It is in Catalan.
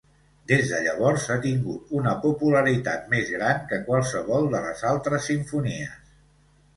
Des de llavors ha tingut una popularitat més gran que qualsevol de les altres simfonies.